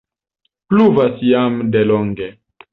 Pluvas jam de longe.